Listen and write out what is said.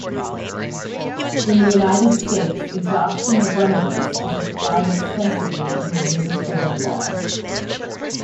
In the United States, exhaustion of remedies is applied extensively in administrative law.